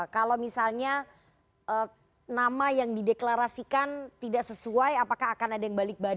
kalau misalnya nama yang dideklarasikan tidak sesuai apakah akan ada yang balik badan